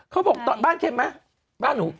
เขาบอกบ้านเค็มไหมบ้านหนู